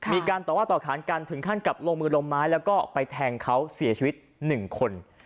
มีการต่อว่าต่อขานกันถึงขั้นกับลงมือลงไม้แล้วก็ไปแทงเขาเสียชีวิต๑คน